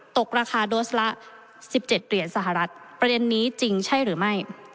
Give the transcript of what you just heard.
ตกราคาโดสละ๑๗เหรียญสหรัฐประเด็นนี้จริงใช่หรือไม่